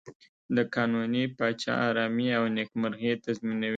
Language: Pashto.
د قانوني پاچا آرامي او نېکمرغي تضمینوي.